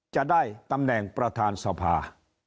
จะได้ตำแหน่งประธานสภา